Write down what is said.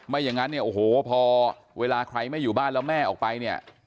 อย่างนั้นเนี่ยโอ้โหพอเวลาใครไม่อยู่บ้านแล้วแม่ออกไปเนี่ย